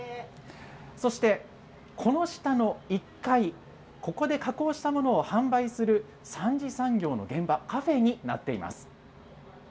そして、この下の１階、ここで加工したものを販売する３次産業の現場、カフェになっています。